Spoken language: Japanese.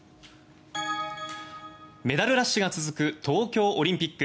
メダルラッシュが続く東京オリンピック。